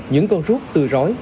những con rút tươi rối